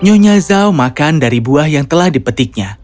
nyonya zau makan dari buah yang telah dipetiknya